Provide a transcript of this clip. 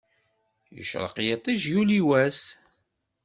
Yecreq yiṭij, yuli wass.